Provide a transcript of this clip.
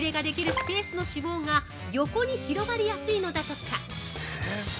スペースの脂肪が横に広がりやすいのだとか。